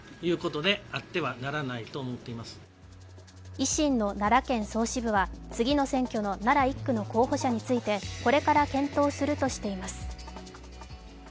維新の奈良県総支部は次の選挙の奈良１区の候補者についてこれから検討するとしています。